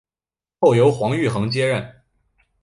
后由黄玉衡接任。